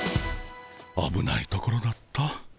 あぶないところだった。